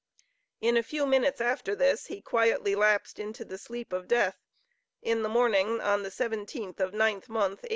In a few minutes after this, he quietly lapsed into the sleep of death, in the morning, on the 17th of Ninth month, 1836.